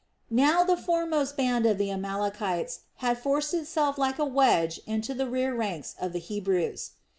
Now the foremost band of the Amalekites had forced itself like a wedge into the rear ranks of the Hebrews.